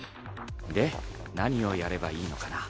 で何をやればいいのかな？